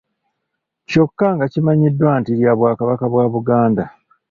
Kyokka nga kimanyiddwa nti lya Bwakabaka bwa Buganda.